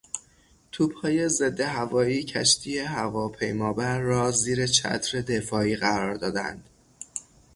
توپهای ضدهوایی کشتی هواپیمابر را زیر چتر دفاعی قرار دادند.